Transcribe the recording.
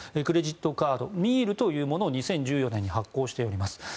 クレジットカードミールというものを２０１４年に発行しています。